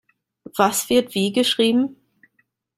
Was wird wie geschrieben?